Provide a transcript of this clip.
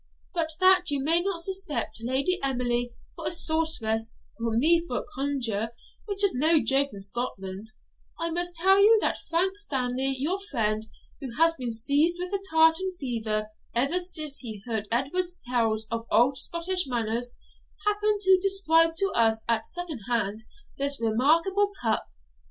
But that you may not suspect Lady Emily for a sorceress, or me for a conjuror, which is no joke in Scotland, I must tell you that Frank Stanley, your friend, who has been seized with a tartan fever ever since he heard Edward's tales of old Scottish manners, happened to describe to us at second hand this remarkable cup.